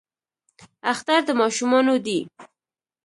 اختر د ماشومانو دی